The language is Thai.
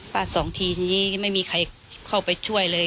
ฟาดอีก๒ทีทีนี้ไม่มีใครเข้าไปช่วยเลย